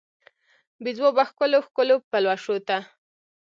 بې ځوابه ښکلو، ښکلو پلوشو ته